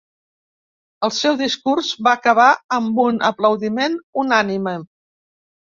El seu discurs va acabar amb un aplaudiment unànime.